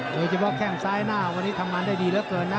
โดยเฉพาะแค่งซ้ายหน้าวันนี้ทำงานได้ดีเหลือเกินนะ